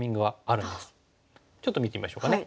ちょっと見てみましょうかね。